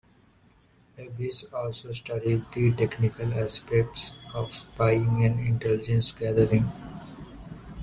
Abbes also studied the technical aspects of spying and intelligence gathering.